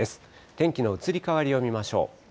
天気の移り変わりを見ましょう。